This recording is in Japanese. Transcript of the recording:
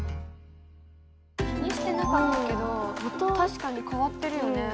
気にしてなかったけど確かに変わってるよね。